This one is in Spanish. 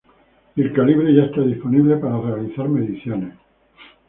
Y el calibre ya está disponible para realizar mediciones.